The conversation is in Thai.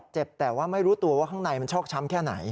เจ็บแต่ว่าไม่รู้ตัวว่าข้างในมันชอกช้ำแค่ไหน